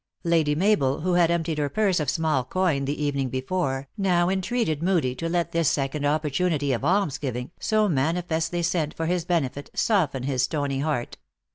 Lady Mabel, who had emptied her purse of small coin the evening before, now entreated Moodie to let this second op portunity of alms giving, so manifestly sent for his benefit, soften his stony heart.